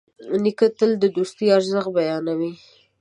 نیکه تل د دوستي ارزښت بیانوي.